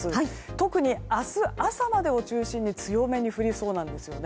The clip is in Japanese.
特に明日朝までを中心に強めに降りそうなんですよね。